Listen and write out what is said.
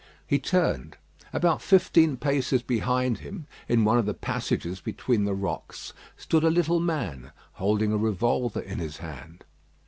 He turned. About fifteen paces behind him, in one of the passages between the rocks, stood a little man holding a revolver in his hand.